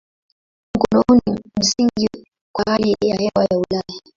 Mkondo huu ni msingi kwa hali ya hewa ya Ulaya.